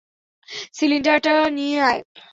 সিলিন্ডারটা নিয়ে আয়।